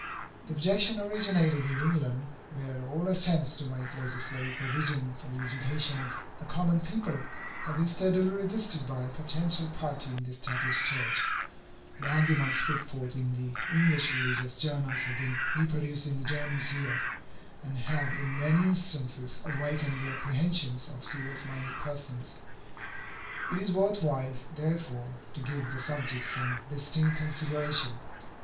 The objection originated in England, where all attempts to make legislative provision for the education of the common people have been steadily resisted by a potential party in the established church. The arguments put forth in the English religious journals have been reproduced in the journals here, and have in many instances awakened the apprehensions of serious minded persons. It is worth while, therefore, to give the subject some distinct consideration.